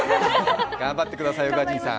頑張ってください、宇賀神さん。